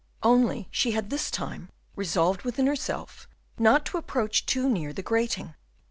Only she had this time resolved within herself not to approach too near the grating.